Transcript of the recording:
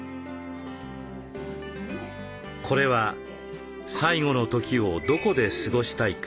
これは「最期の時をどこで過ごしたいか？」